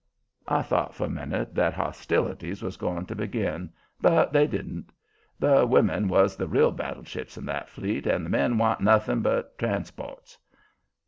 I thought for a minute that hostilities was going to begin, but they didn't. The women was the real battleships in that fleet, the men wa'n't nothing but transports.